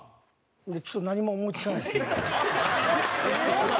ちょっと何も思い付かないですね。